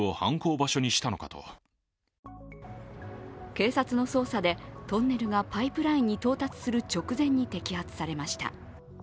警察の捜査で、トンネルがパイプラインに到達する直前に摘発されました。